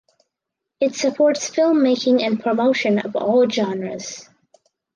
It supports filmmaking and promotion of all genres.